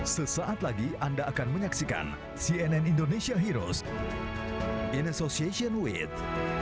sesaat lagi anda akan menyaksikan cnn indonesia heroes in association with